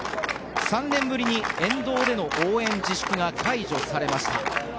３年ぶりに沿道での応援自粛が解除されました。